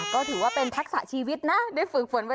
ก็ถือว่าเป็นทักษะชีวิตนะ